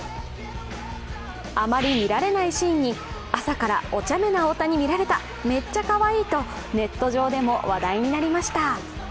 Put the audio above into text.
あまり見られないシーンに、朝からお茶目な大谷見られた、めっちゃかわいいと、ネット上でも話題になりました。